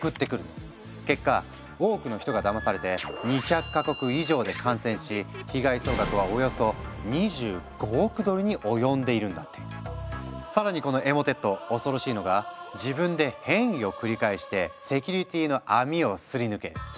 結果多くの人がだまされて２００か国以上で感染し被害総額はおよそ更にこのエモテット恐ろしいのが自分で変異を繰り返してセキュリティの網をすり抜ける。